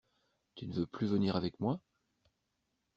Tu ne veux plus venir avec moi?